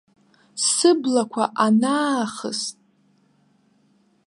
Сыблақәа анаахыст.